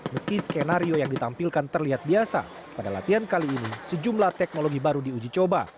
meski skenario yang ditampilkan terlihat biasa pada latihan kali ini sejumlah teknologi baru diuji coba